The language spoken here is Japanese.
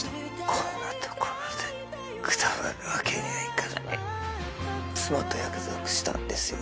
こんなところでくたばるわけにはいかない妻と約束したんですよ